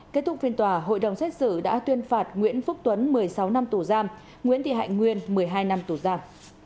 kết thúc phiên tòa hội đồng xét xử đã tuyên phạt nguyễn phúc tuấn một mươi sáu năm tù giam nguyễn thị hạnh nguyên một mươi hai năm tù giam